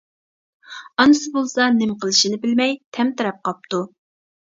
ئانىسى بولسا نېمە قىلىشىنى بىلمەي تەمتىرەپ قاپتۇ.